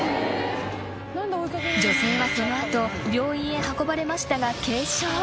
［女性はその後病院へ運ばれましたが］